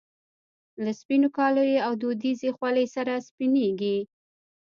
له سپینو کاليو او دودیزې خولۍ سره سپینږیری.